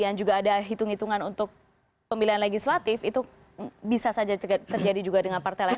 bagaimana kita bisa memastikan pilihan legislatif yang terjadi juga dengan partai lain